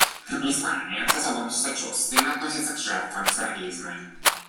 Испания с особым сочувствием относится к жертвам терроризма.